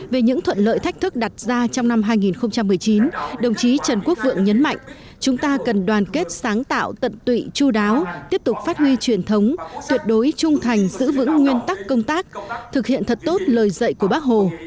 về những thuận lợi thách thức đặt ra trong năm hai nghìn một mươi chín đồng chí trần quốc vượng nhấn mạnh chúng ta cần đoàn kết sáng tạo tận tụy chú đáo tiếp tục phát huy truyền thống tuyệt đối trung thành giữ vững nguyên tắc công tác thực hiện thật tốt lời dạy của bác hồ